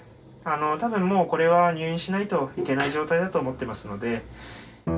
多分もうこれは入院しないといけない状態だと思ってますので。